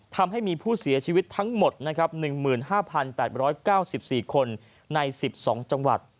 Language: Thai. ทำให้มีผู้เสียชีวิตทั้งหมด๑๕๘๙๔คนใน๑๒จังหวัด